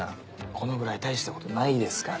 このぐらい大したことないですから。